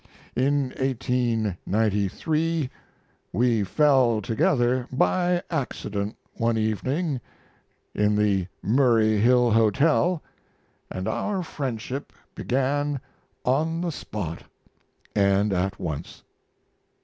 In 1893 we fell together by accident one evening in the Murray Hill Hotel, and our friendship began on the spot and at once.